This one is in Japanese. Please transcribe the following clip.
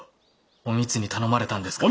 お美津に頼まれたんですか？